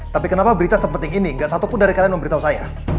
tapi kenapa berita seperti gini gak satupun dari kalian memberitahu saya